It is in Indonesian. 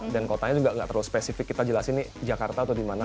dan kotanya juga gak terlalu spesifik kita jelasin nih jakarta atau dimana